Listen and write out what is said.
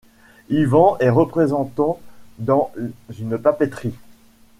Yvan est représentant dans une papeterie.